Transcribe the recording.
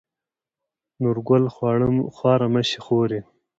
نورګل: خواره مه شې خورې.